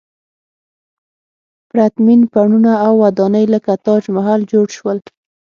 پرتمین بڼونه او ودانۍ لکه تاج محل جوړ شول.